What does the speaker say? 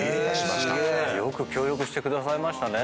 よく協力してくださいましたね。